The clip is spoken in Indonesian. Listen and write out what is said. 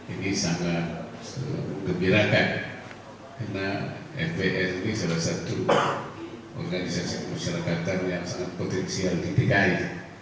ini sangat gembirakan karena fbr ini salah satu organisasi kemasyarakatan yang sangat potensial di dki